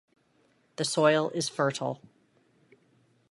The soil is fertile.